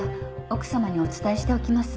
奥様にお伝えしておきます。